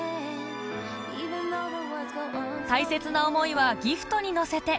大切な思いはギフトに乗せて